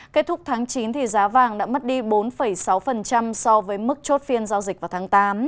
kết thúc tháng chín giá vàng đã mất đi bốn sáu so với mức chốt phiên giao dịch vào tháng tám